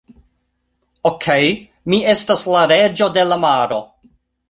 Okej. Mi estas la reĝo de la maro.